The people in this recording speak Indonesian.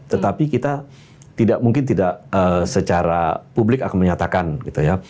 tetapi kita tidak mungkin tidak secara publik akan menyatakan gitu ya